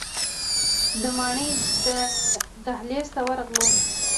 د ماڼۍ دهلیز ته ورغلو.